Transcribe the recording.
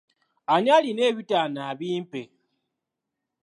Ani alina ebitaano abimpe?